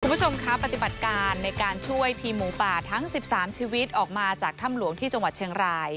คุณผู้ชมคะปฏิบัติการในการช่วยทีมหมูป่าทั้ง๑๓ชีวิตออกมาจากถ้ำหลวงที่จังหวัดเชียงราย